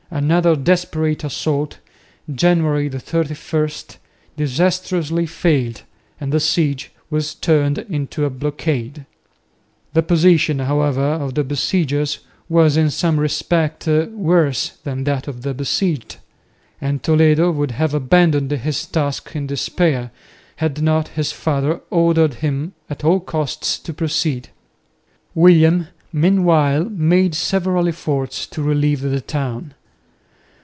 Another desperate assault, January 31, disastrously failed, and the siege was turned into a blockade. The position, however, of the besiegers was in some respects worse than that of the besieged; and Toledo would have abandoned his task in despair had not his father ordered him at all costs to proceed. William meanwhile made several efforts to relieve the town.